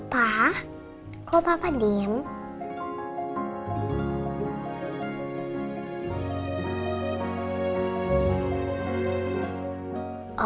pa kok papa diem